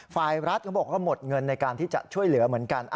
ฝ่ายรัฐเขาบอกว่าหมดเงินในการที่จะช่วยเหลือเหมือนกัน